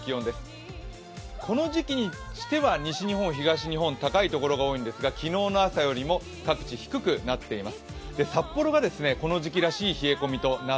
この時期にしては西日本、東日本高いところが多いんですが昨日の朝よりも各地、低くなっています。